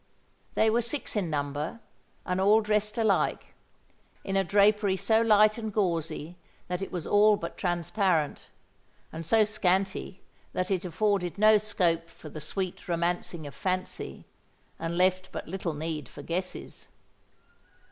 They wore six in number, and all dressed alike, in a drapery so light and gauzy that it was all but transparent, and so scanty that it afforded no scope for the sweet romancing of fancy, and left but little need for guesses.